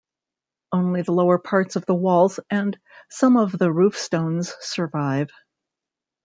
Only the lower parts of the walls and some of the roofstones survive.